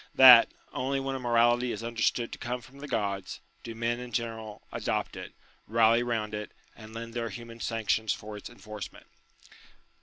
That, only when a morality is understood to come from the Gods, do men in general adopt it, rally round it, and lend their human sanctions for its enforcement.